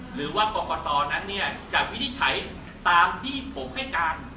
หรือว่ากรกตนั้นจะวินิจฉัยตามที่ผมให้การ